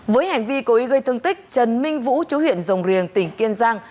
với hành vi cố ý gây thương tích trần minh vũ chú huyện rồng riềng tỉnh kiên giang